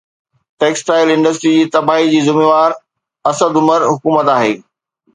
textile industry جي تباهي جي ذميوار اسد عمر حڪومت آهي